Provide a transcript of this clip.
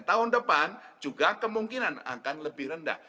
tahun depan juga kemungkinan akan lebih rendah